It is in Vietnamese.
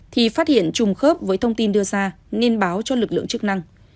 thì phát hiện trùng khớp với thông tin đưa ra nên báo cho lực lượng chức năng